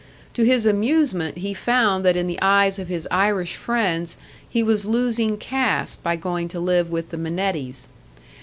To his amusement he found that in the eyes of his Irish friends he was losing caste by going to live with the Minettis.